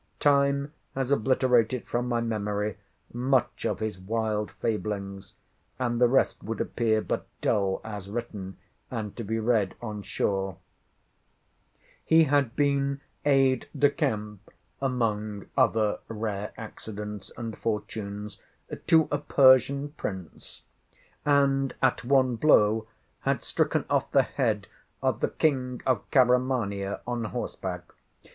Time has obliterated from my memory much of his wild fablings; and the rest would appear but dull, as written, and to be read on shore. He had been Aid de camp (among other rare accidents and fortunes) to a Persian prince, and at one blow had stricken off the head of the King of Carimania on horseback.